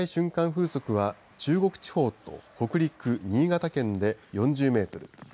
風速は中国地方と北陸新潟県で４０メートル。